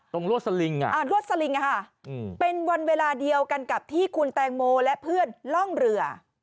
รวดสลิงรวดสลิงเป็นวันเวลาเดียวกันกับที่คุณแตงโมและเพื่อนล่องเรือ